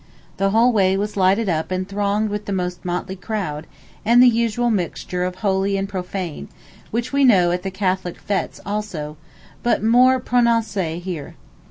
The whole way was lighted up and thronged with the most motley crowd, and the usual mixture of holy and profane, which we know at the Catholic fêtes also; but more prononcé here.